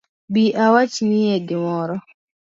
Bi awachnie gimoro